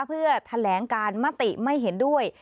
เพื่อแถลงการมติไม่เห็นด้วย